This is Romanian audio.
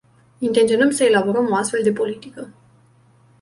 Intenționăm să elaborăm o astfel de politică.